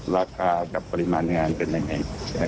ราคากับปริมาณงานเป็นยังไง